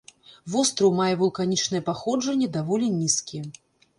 Востраў мае вулканічнае паходжанне, даволі нізкі.